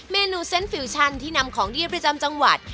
เมนูเส้นฟิวชั่นที่นำของดีประจำจังหวัด